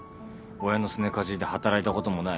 親のすねかじりで働いたこともない。